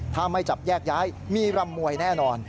ถ้าไม่จับแยกย้ายมีรำมวยแน่นอน